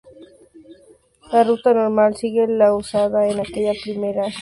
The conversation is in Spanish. La ruta normal sigue la usada en aquella primera ascensión.